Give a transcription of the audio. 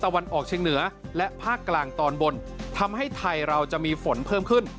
วันออกเชียงเหนือและภาคกลางตอนบนทำให้ไทยเราจะมีฝนเพิ่มขึ้น